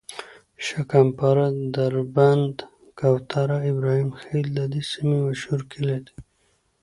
شکم پاره، دربند، کوتره، ابراهیم خیل د دې سیمې مشهور کلي دي.